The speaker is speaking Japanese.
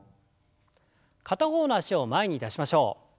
片方の脚を前に出しましょう。